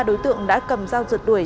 ba đối tượng đã cầm dao rượt đuổi